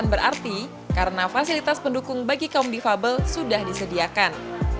berarti karena fasilitas pendukung bagi kaum difabel sudah disediakan